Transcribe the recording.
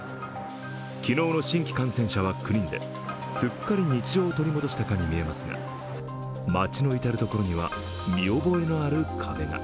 昨日の新規感染者は９人で、すっかり日常を取り戻したかに見えますが、街の至る所には見覚えのある壁が。